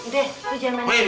dek lu jangan main main